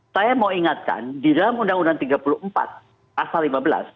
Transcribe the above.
saya mau ingatkan di dalam undang undang tiga puluh empat pasal lima belas